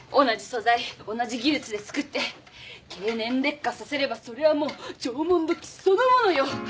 同じ素材同じ技術で作って経年劣化させればそれはもう縄文土器そのものよ！